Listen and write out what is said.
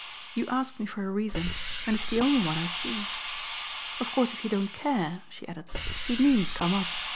"You ask me for a reason, and it's the only one I see. Of course if you don't care," she added, "he needn't come up.